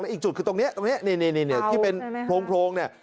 แล้วอีกจุดคือตรงนี้ที่เป็นโพงนี่